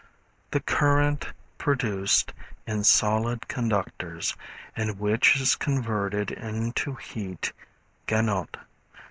A current produced in solid conductors, and which is converted into heat (Ganot).